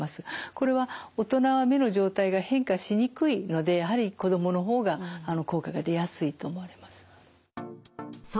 これは大人は目の状態が変化しにくいのでやはり子どもの方が効果が出やすいと思われます。